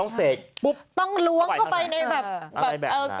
ต้องเสกปุ๊บต้องลวงเข้าไปในแบบ